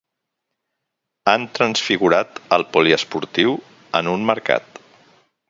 Han transfigurat el poliesportiu en un mercat.